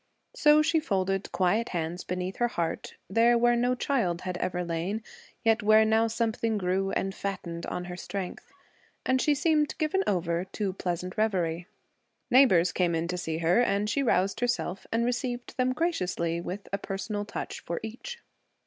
So she folded quiet hands beneath her heart, there where no child had ever lain, yet where now something grew and fattened on her strength. And she seemed given over to pleasant revery. Neighbors came in to see her, and she roused herself and received them graciously, with a personal touch for each.